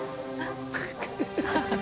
ハハハ